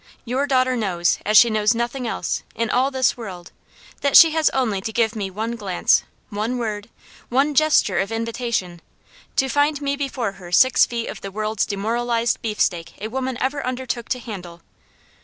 Your daughter knows as she knows nothing else, in all this world, that she has only to give me one glance, one word, one gesture of invitation, to find me before her six feet of the worst demoralized beefsteak a woman ever undertook to handle.